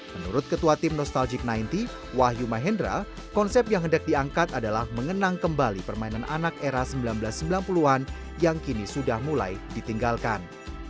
menurut ketua tim nostalgic sembilan puluh wahyu mahendra konsep yang hendak diangkat adalah mengenang kembali permainan anak era seribu sembilan ratus sembilan puluh an yang kini sudah mulai ditinggalkan